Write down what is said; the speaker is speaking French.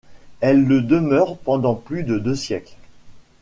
Elle le demeure pendant plus de deux siècles.